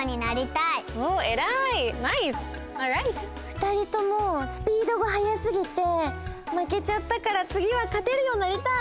２人ともスピードがはやすぎてまけちゃったからつぎはかてるようになりたい！